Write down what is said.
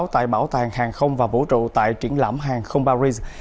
tại bảo tàng hàng không và vũ trụ tại triển lãm hàng không paris